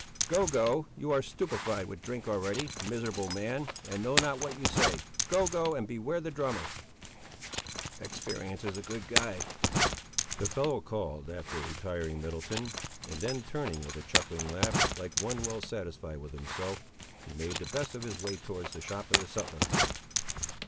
"Go, go; you are stupified with drink already, miserable man, and know not what you say. Go; go, and beware the drummer." "Experience is a good guide"—the fellow called after the retiring Middleton; and then turning with a chuckling laugh, like one well satisfied with himself, he made the best of his way towards the shop of the suttler.